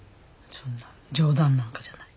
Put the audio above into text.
そんな冗談なんかじゃない。